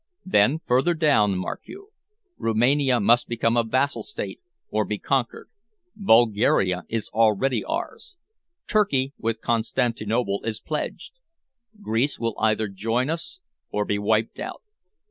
Then further down, mark you. Roumania must become a vassal state or be conquered. Bulgaria is already ours. Turkey, with Constantinople, is pledged. Greece will either join us or be wiped out.